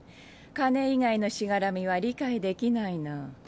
金以外のしがらみは理解できないな。